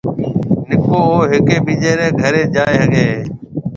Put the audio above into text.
نڪو او ھيَََڪيَ ٻِيجيَ رَي گھرَي جائيَ ھگيَ ھيََََ